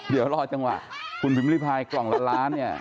เดี๋ยวรอจังหวะคุณพิมพิริพายกล่องละล้านเนี่ย